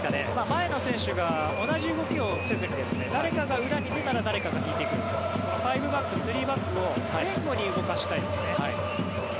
前の選手が同じ動きをせずに誰かが裏に出たら誰かが引いてくる５バック、３バックを前後に動かしたいですね。